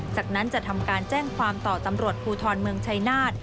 จากนั้นจะทำการแจ้งความต่อตำรวจภูทรเมืองชัยนาธ